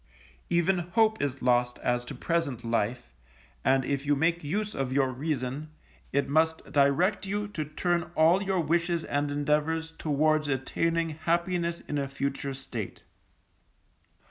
Even hope is lost as to present life, and if you make use of your reason, it must direct you to turn all your wishes and endeavours towards attaining happiness in a future state.